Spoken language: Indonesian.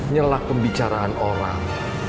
nyelak pembicaraan orang